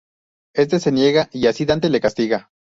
Este se niega y así Dante le castiga.